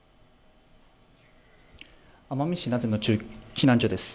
奄美市名瀬の避難所です。